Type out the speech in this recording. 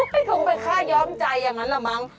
เฮ้ยคงเป็นค่าย้อมใจอย่างนั้นล่ะมั้ง